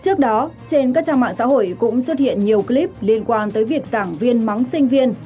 trước đó trên các trang mạng xã hội cũng xuất hiện nhiều clip liên quan tới việc giảng viên móng sinh viên